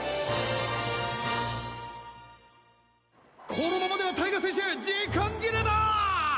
このままではタイガ選手時間切れだ！